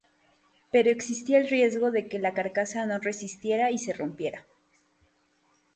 Pero existía el riesgo de que la carcasa no resistiera y se rompiera.